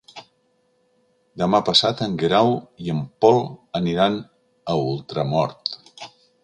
Demà passat en Guerau i en Pol aniran a Ultramort.